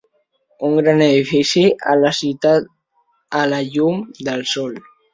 Un gran edifici a la ciutat a la llum del sol.